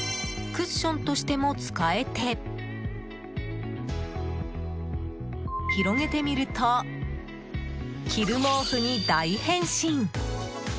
クッションとしても使えて広げてみると着る毛布に大変身！